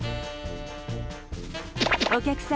お客様